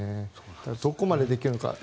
どこまでできるのか。